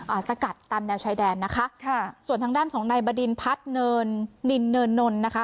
สกัดตามแนวชายแดนนะคะค่ะส่วนทางด้านของนายบดินพัฒน์เนินนินเนินนลนะคะ